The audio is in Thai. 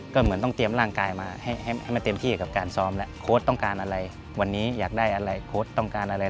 ก็เหมือนต้องเตรียมร่างกายมาให้มันเต็มที่กับการซ้อมแล้วโค้ดต้องการอะไรวันนี้อยากได้อะไรโค้ดต้องการอะไร